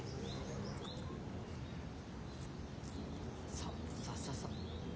そうそうそうそう。